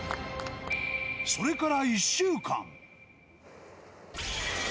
それから１週間。